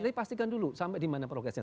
tapi pastikan dulu sampai di mana progresnya